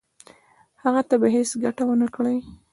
هغه ته به هیڅ ګټه ونه کړي.